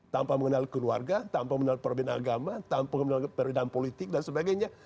tanpa mengenal keluarga tanpa mengenal perbedaan agama tanpa mengenal perbedaan politik dan sebagainya